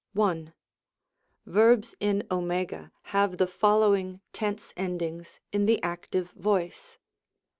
1. Verbs in co have the following tense endings in the active voice.